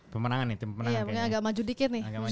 pemenangan nih tim penangan kayaknya